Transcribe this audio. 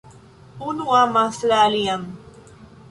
Unu amas la alian.